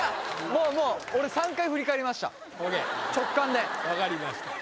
もうもう俺３回振り返りました直感で分かりました